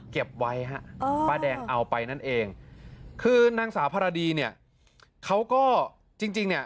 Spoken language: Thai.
เก็บไว้ฮะเออป้าแดงเอาไปนั่นเอง